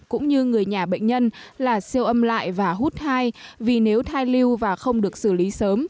cũng như người nhà bệnh nhân là siêu âm lại và hút hai vì nếu thai lưu và không được xử lý sớm